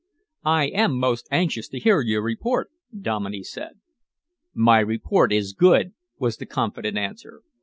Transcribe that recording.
"I am most anxious to hear your report," Dominey said. "My report is good," was the confident answer.